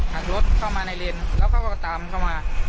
หักรถเข้ามาในเลนแล้วเขาก็ตามเข้ามา